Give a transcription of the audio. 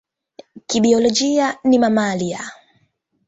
Kibiolojia ni mamalia.